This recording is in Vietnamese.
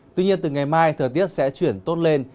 tuy nhiên từ ngày mai thời tiết sẽ chuyển tốt lên